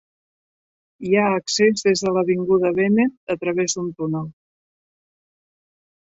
Hi ha accés des de l'avinguda Bennett a través d'un túnel.